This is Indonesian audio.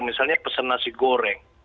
misalnya pesen nasi goreng